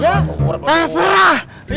ya serah yuk